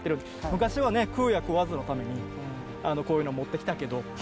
昔はね食うや食わずのためにこういうの持ってきたけど。